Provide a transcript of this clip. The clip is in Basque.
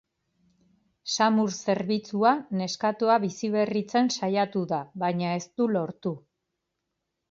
Samur zerbitzua neskatoa biziberritzen saiatu da baina ez du lortu.